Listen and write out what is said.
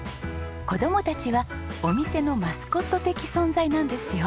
子供たちはお店のマスコット的存在なんですよ。